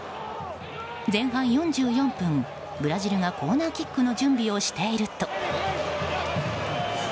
前半４４分、ブラジルがコーナーキックの準備をしていると。